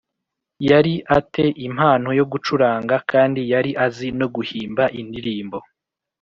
Yari a te impano yo gucuranga kandi yari azi no guhimba indirimbo